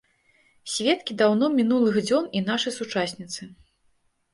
Сведкі даўно мінулых дзён і нашы сучасніцы.